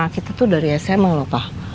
kita tuh dari sma loh pak